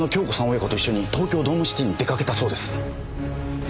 親子と一緒に東京ドームシティに出かけたそうです。